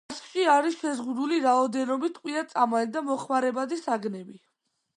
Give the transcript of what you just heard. მასში არის შეზღუდული რაოდენობით ტყვია-წამალი და მოხმარებადი საგნები.